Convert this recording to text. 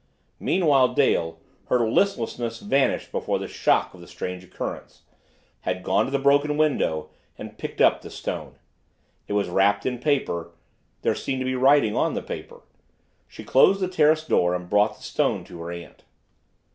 Meanwhile Dale, her listlessness vanished before the shock of the strange occurrence, had gone to the broken window and picked up the stone. It was wrapped in paper; there seemed to be writing on the paper. She closed the terrace door and brought the stone to her aunt.